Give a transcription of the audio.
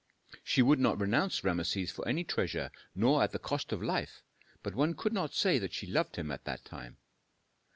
She would not renounce Rameses for any treasure, nor at the cost of life, but one could not say that she loved him at that time.